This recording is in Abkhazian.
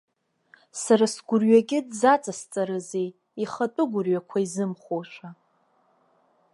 Сара сгәырҩагьы дзаҵасҵарызеи, ихатәы гәырҩақәа изымхошәа.